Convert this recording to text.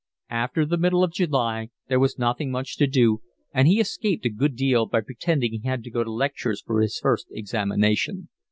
After the middle of July there was nothing much to do and he escaped a good deal by pretending he had to go to lectures for his first examination.